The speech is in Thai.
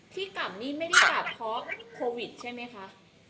ที่กลับนี่ไม่ได้กลับเพราะโควิดใช่ไหมคะ